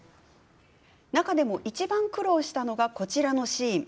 中でもいちばん苦労したというのがこちらのシーン。